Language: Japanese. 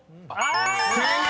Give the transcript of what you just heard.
［正解！